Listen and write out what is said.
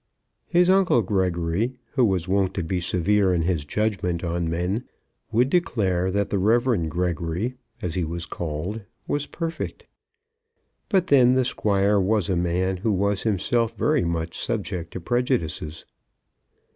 His uncle Gregory, who was wont to be severe in his judgment on men, would declare that the Rev. Gregory, as he was called, was perfect. But then the Squire was a man who was himself very much subject to prejudices.